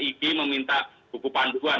igi meminta buku panduan